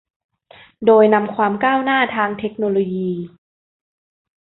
โดยนำความก้าวหน้าทางเทคโนโลยี